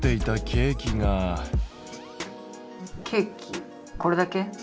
ケーキこれだけ？